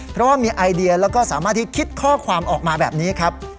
เพราะว่ามีไอเดียแล้วก็สามารถที่คิดข้อความออกมาแบบนี้ครับ